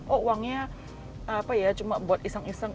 oh uangnya cuma buat iseng iseng